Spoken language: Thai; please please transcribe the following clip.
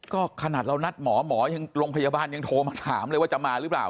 ก็ขนาดเรานัดหมอหมอยังโรงพยาบาลยังโทรมาถามเลยว่าจะมาหรือเปล่า